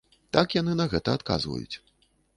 Так яны на гэта адказваюць.